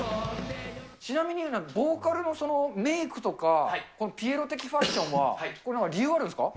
ちなみにボーカルのそのメークとかピエロ的ファッションは、理由があるんですか？